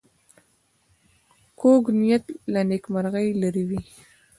کوږ نیت له نېکمرغۍ لرې وي